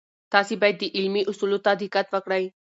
تاسې باید د علمي اصولو ته دقت وکړئ.